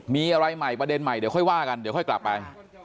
มีอะไรใหม่ประเด็นใหม่เดี๋ยวค่อยว่ากันเดี๋ยวค่อยกลับไป